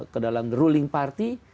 ke dalam ruling party